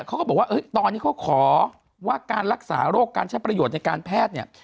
เขาก็บอกว่าตอนนี้เขาขอว่าการรักษาโรคการใช้ประโยชน์ในการแพทย์เนี่ย